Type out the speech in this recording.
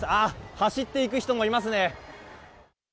走っていく人もいますね。